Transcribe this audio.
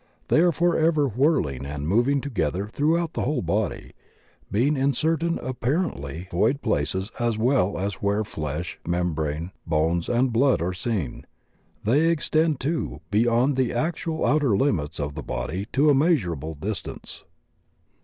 They are forever whirling and moving together tiu oughout the whole body, being in certain apparently void spaces as well as where flesh, membrane, bones, and blood are seen. They extend, too, beyond the actual outer limits of the body to a measurable distance.